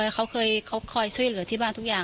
เขาคอยช่วยเหลือที่บ้านทุกอย่าง